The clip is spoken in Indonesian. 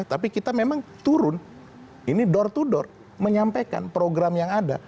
tapi kita memang turun ini door to door menyampaikan program yang ada